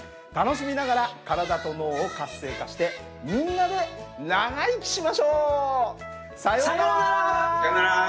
楽しみながら体と脳を活性化してみんなで長生きしましょう！さようなら。